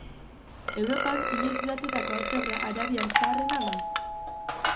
Europan inoiz idatzitako aljebra arabiar zaharrena da.